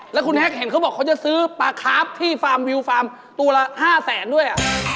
แล้วคุณแฮ็กเห็นเขาบอกเขาจะซื้อปลาคาร์ฟที่ฟาร์มวิวฟาร์มตัวละ๕แสนด้วย